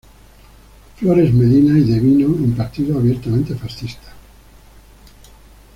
Flores Medina y devino en partido abiertamente fascista.